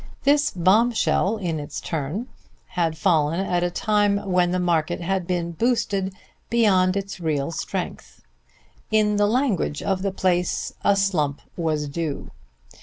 This bombshell, in its turn, had fallen at a time when the market had been "boosted" beyond its real strength. In the language of the place, a slump was due.